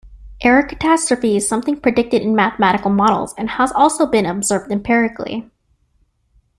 Error catastrophe is something predicted in mathematical models and has also been observed empirically.